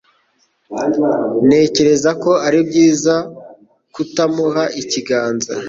Ntekereza ko ari byiza kutamuha ikiganza.